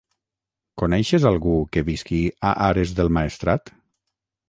Coneixes algú que visqui a Ares del Maestrat?